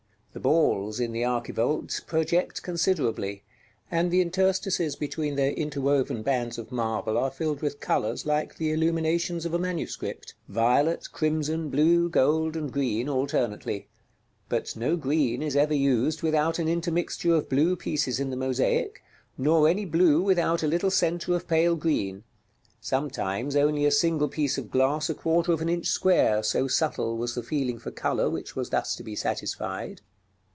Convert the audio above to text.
] The balls in the archivolt project considerably, and the interstices between their interwoven bands of marble are filled with colors like the illuminations of a manuscript; violet, crimson, blue, gold, and green alternately: but no green is ever used without an intermixture of blue pieces in the mosaic, nor any blue without a little centre of pale green; sometimes only a single piece of glass a quarter of an inch square, so subtle was the feeling for color which was thus to be satisfied.